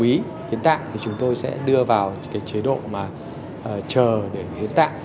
và gia đình đặc biệt là gia đình đồng ý hiến tạng thì chúng tôi sẽ đưa vào cái chế độ mà chờ để hiến tạng